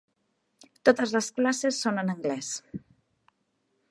Totes les classes són en anglès.